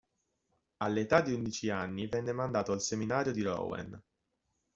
All'età di undici anni venne mandato al seminario di Rouen.